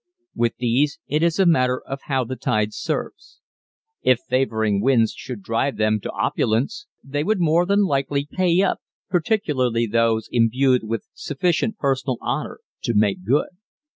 With these it is a matter of how the tide serves. If favoring winds should drive them to opulence they would more than likely pay up, particularly those imbued with sufficient personal honor to "make good."